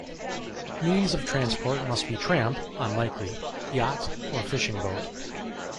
Means of transport must be tramp - unlikely - yacht, or fishing-boat.